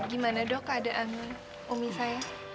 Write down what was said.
gimana dok keadaan umi saya